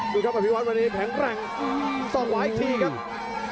ดูครับอภิวัตวันนี้แข็งแกร่งสอกขวาอีกทีครับ